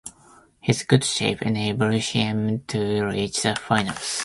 His good shape enabled him to reach the finals.